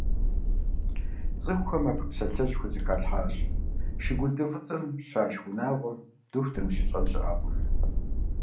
ЦӀыхухэм абы псалъэжь хузэхалъхьащ: «Шыгъулды фӀыцӀэр щашх унагъуэм дохутырым щищӀэн щыӀэкъым».